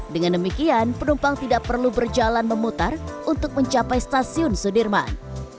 dengan demikian penumpang tidak perlu berjalan memutar untuk mencapai stasiun sudirman